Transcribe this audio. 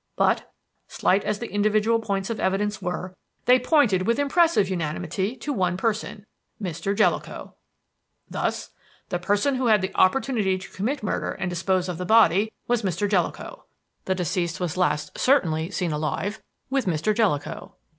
But, slight as the individual points of evidence were, they pointed with impressive unanimity to one person Mr. Jellicoe. Thus: "The person who had the opportunity to commit murder and dispose of the body was Mr. Jellicoe. "The deceased was last certainly seen alive with Mr. Jellicoe.